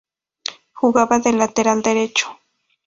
Jugaba de lateral derecho.